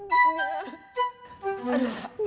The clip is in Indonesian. ambilin gua air